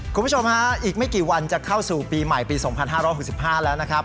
คุณผู้ชมฮะอีกไม่กี่วันจะเข้าสู่ปีใหม่ปีสองพันห้าร้อยหกสิบห้าแล้วนะครับ